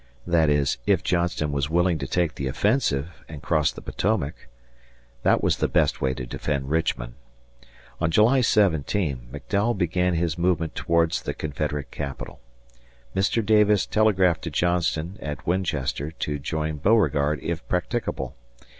That is, if Johnston was willing to take the offensive and cross the Potomac. That was the best way to defend Richmond. On July 17, McDowell began his movement towards the Confederate Capital. Mr. Davis telegraphed to Johnston at Winchester to join Beauregard, if practicable.